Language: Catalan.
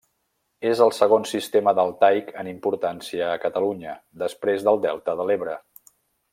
És el segon sistema deltaic en importància a Catalunya, després del delta de l'Ebre.